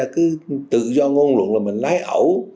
cái tự do nguồn luận là mình lái ẩu